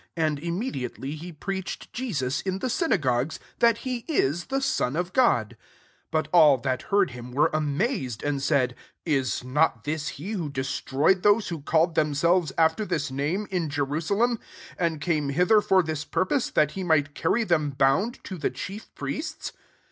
20 And immediately te preached Jesus in the syna ;ogues, that he is the son of jrod. 21 But all tli«t heard Mm vere amazed, and said, " Is not his he who destroyed thos6 rho call themselves after this ame, in Jerusalem, and came ither for this purpose, that he aight carry them bound to the hief priests